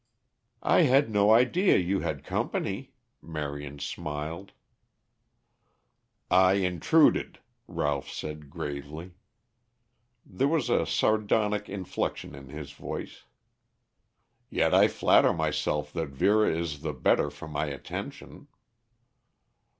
"I had no idea you had company," Marion smiled. "I intruded," Ralph said gravely. There was a sardonic inflection in his voice. "Yet I flatter myself that Vera is the better for my attention."